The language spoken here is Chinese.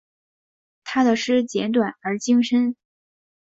他的诗简短而精深。